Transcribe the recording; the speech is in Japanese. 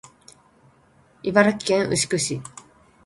茨城県牛久市